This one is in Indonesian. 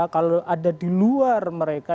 kalau ada di luar mereka